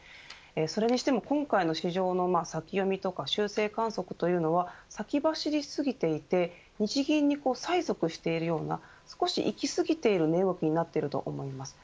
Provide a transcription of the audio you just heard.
それにしても今回の市場の先読みとか修正観測というのは先走りすぎていて日銀に催促しているような少しいき過ぎている値動きになっていると思います